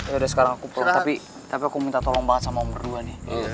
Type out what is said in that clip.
yaudah sekarang aku pulang tapi aku minta tolong banget sama umur dua nih